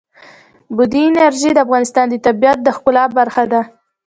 بادي انرژي د افغانستان د طبیعت د ښکلا برخه ده.